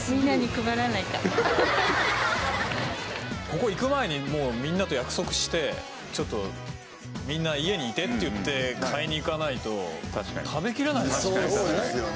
ここ行く前にみんなと約束してちょっとみんな家にいてって言って買いに行かないと食べきれない。